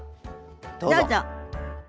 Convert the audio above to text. どうぞ。